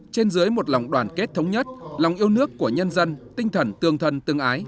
trên dưới một lòng đoàn kết thống nhất lòng yêu nước của nhân dân tinh thần tương thân tương ái